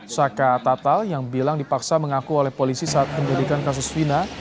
saka tatal yang bilang dipaksa mengaku oleh polisi saat menjadikan kasus vina